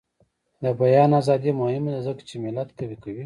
د بیان ازادي مهمه ده ځکه چې ملت قوي کوي.